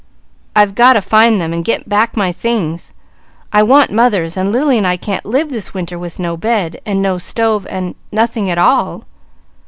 I've got to find them, and get back my things. I want mother's, and Lily and I can't live this winter with no bed, and no stove, and nothing at all."